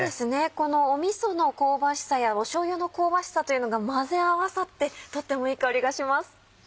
このみその香ばしさやしょうゆの香ばしさというのが混ぜ合わさってとってもいい香りがします。